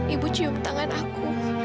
ibu cium tangan aku